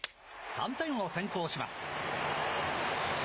３点を先行します。